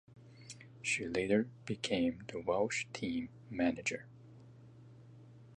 She later became the Welsh team manager.